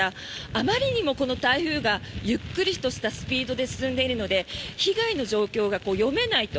あまりにもこの台風がゆっくりとしたスピードで進んでいるので被害の状況が読めないと。